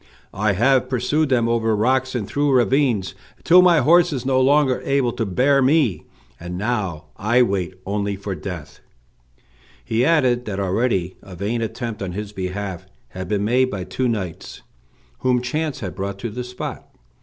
I have pursued them over rocks and through ravines till my horse is no longer able to bear me, and I now wait only for death." He added that already a vain attempt on his behalf had been made by two knights, whom chance had brought to the spot.